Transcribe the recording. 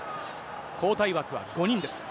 交代枠は５人です。